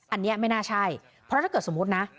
อันนี้ไม่น่าใช่เพราะถ้าเกิดสมมุตินะ